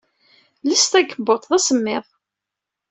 Els takebbuḍt, d asemmiḍ!